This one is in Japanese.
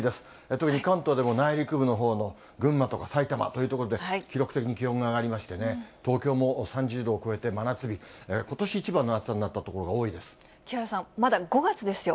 特に関東でも内陸部のほうの群馬とか埼玉という所で記録的に気温が上がりましてね、東京も３０度を超えて真夏日、ことし一番の暑木原さん、まだ５月ですよ。